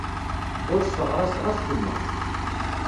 Ur sseɣraseɣ acemma.